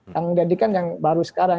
yang menjadikan yang baru sekarang